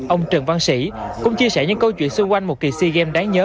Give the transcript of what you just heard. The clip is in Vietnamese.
ông trần văn sĩ cũng chia sẻ những câu chuyện xung quanh một kỳ sea games đáng nhớ